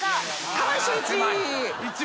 川合俊一。